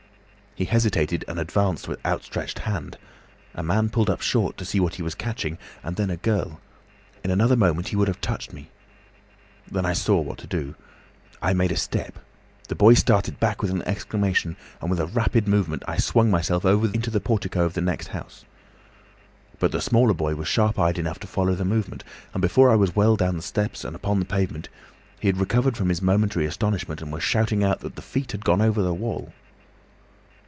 He hesitated and advanced with outstretched hand. A man pulled up short to see what he was catching, and then a girl. In another moment he would have touched me. Then I saw what to do. I made a step, the boy started back with an exclamation, and with a rapid movement I swung myself over into the portico of the next house. But the smaller boy was sharp eyed enough to follow the movement, and before I was well down the steps and upon the pavement, he had recovered from his momentary astonishment and was shouting out that the feet had gone over the wall.